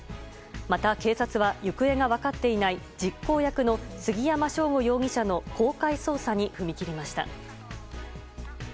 また警察は行方が分かっていない実行役の杉山翔吾容疑者の公開捜査に踏み切りました。